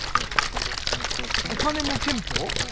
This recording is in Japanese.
お金も憲法？